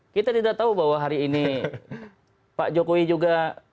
kita tidak tahu bahwa hari ini pak jokowi juga